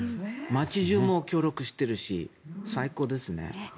街中も協力しているし最高ですね。